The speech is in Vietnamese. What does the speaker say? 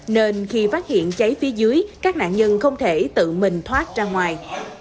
nên khi phát hiện cháy phía dưới các nạn nhân không thể tự mình thoát ra ngoài